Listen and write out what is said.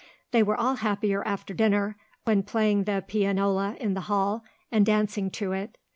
They were all happier after dinner, when playing the pianola in the hall and dancing to it.